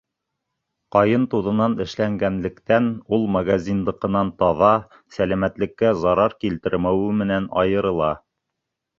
Ҡайын туҙынан эшләнгәнлектән, ул магазиндыҡынан таҙа, сәләмәтлеккә зарар килтермәүе менән айырыла.